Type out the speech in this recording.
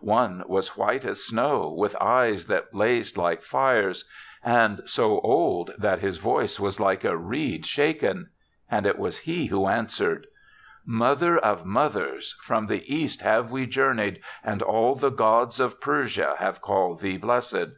One was white as snow, with eyes that blazed like fires, and so old that his voice tt r 38 THE SEVENTH CHRISTMAS was like a reed shaken. And it was he who answered. Mother of mothers, from the East have we journeyed and all the gods of Persia have called thee blessed.